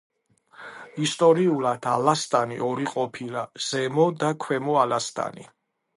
ისტორიულად ალასტანი ორი ყოფილა: ზემო და ქვემო ალასტანი.